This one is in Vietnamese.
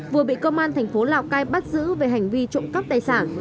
vừa bị công an thành phố lào cai bắt giữ về hành vi trộm cắp tài sản